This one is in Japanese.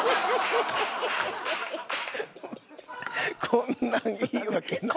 こんなんいいわけない。